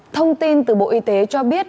thông tin từ bộ y tế cho biết